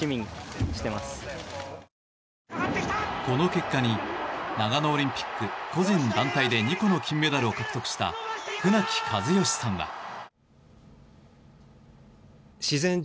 この結果に長野オリンピック個人団体で２個の金メダルを獲得した船木和喜さんは。